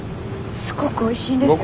すごくおいしいんですよ。